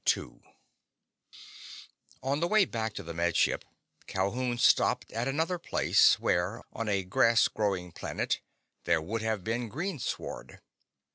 II On the way back to the Med Ship, Calhoun stopped at another place where, on a grass growing planet, there would have been green sward.